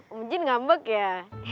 om jin ngambek ya